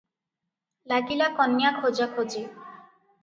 ଲାଗିଲା କନ୍ୟା ଖୋଜାଖୋଜି ।